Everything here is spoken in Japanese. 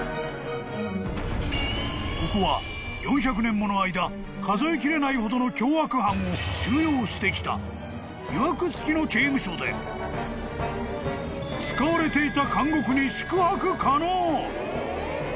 ［ここは４００年もの間数えきれないほどの凶悪犯を収容してきたいわくつきの刑務所で使われていた］